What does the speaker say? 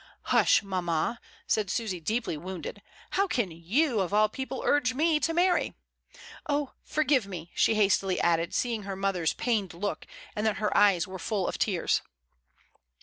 "Hush! mamma," said Susy deeply wounded. "How can you, of all people, urge me to marry? Oh! forgive me," she hastily added, seeing her mother's pained look, and that her eyes were full of tears.